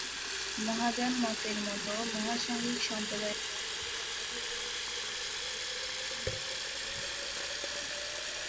মহাযান মতের মতো, মহাসাংঘিক সম্প্রদায়ও দশ দিকে একাধিক সমসাময়িক বুদ্ধের অস্তিত্বের মতবাদে বিশ্বাস করে।